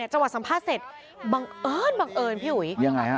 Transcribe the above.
จังหวะสัมภาษณ์เสร็จบังเอิญพี่อุ๋ย